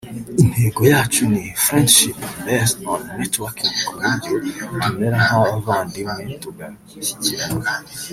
Intego yacu ni Friendship based on Networking ku buryo tumera nk’abavandimwe tugashyigikirana